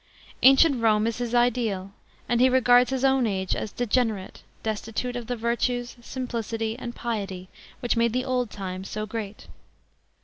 Ancient Rome is his ideal; a».d he regards his own age as degenerate, destitute of the virtue*, simnlirity, and piety which made the old time soyreat.